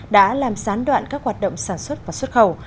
đã làm gián đoạn các hoạt động sản xuất và xuất khẩu